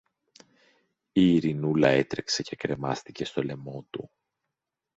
η Ειρηνούλα έτρεξε και κρεμάστηκε στο λαιμό του